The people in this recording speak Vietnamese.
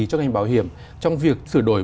cho ngành bảo hiểm trong việc sửa đổi